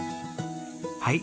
はい。